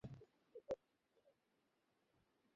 ফলে পানি হ্রাস পেতে শুরু করে।